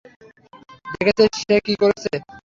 দেখেছিস সে কী করেছে!